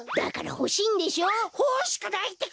ほしくないってか！